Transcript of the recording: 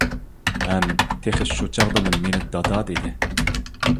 ھەم تېخى شۇ چاغدىلا مېنى دادا دېدى.